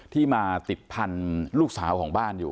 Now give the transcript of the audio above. ที่มาติดพันธุ์ลูกสาวของบ้านอยู่